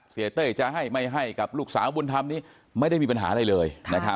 เต้ยจะให้ไม่ให้กับลูกสาวบุญธรรมนี้ไม่ได้มีปัญหาอะไรเลย